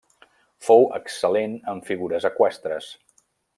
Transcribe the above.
Fou excel·lent en figures eqüestres.